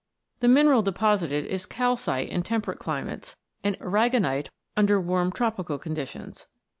The mineral deposited is calcite in temperate climates and aragonite under warm tropical conditions.